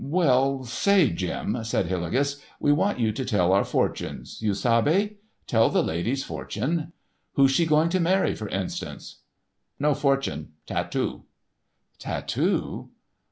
"Well, say, Jim," said Hillegas; "we want you to tell our fortunes. You sabe? Tell the lady's fortune. Who she going to marry, for instance." "No fortune—tattoo." "Tattoo?"